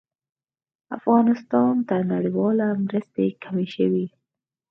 افغانستان ته نړيوالې مرستې کمې شوې دي